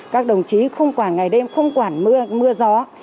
các đồng chí không quản ngày đêm không quản mưa mưa gió